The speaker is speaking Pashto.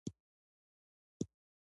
نیک عمل انسان ژوندی ساتي